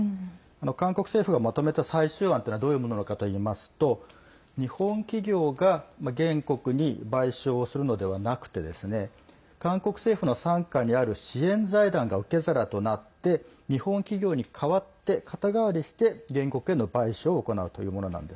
韓国政府がまとめた最終案っていうのはどういうものかといいますと日本企業が原告に賠償をするのではなくてですね韓国政府の傘下にある支援財団が受け皿となって日本企業に代わって肩代わりして原告への賠償を行うというものなんです。